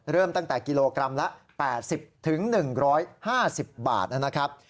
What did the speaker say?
เริ่มตั้งแต่กิโลกรัมละ๘๐๑๕๐บาทนะครับ